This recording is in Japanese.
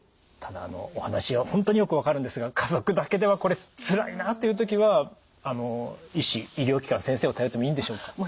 ただお話は本当によく分かるんですが家族だけではこれつらいなという時は医師医療機関先生を頼ってもいいんでしょうか？